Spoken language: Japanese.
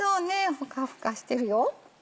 ふかふかしてるよ。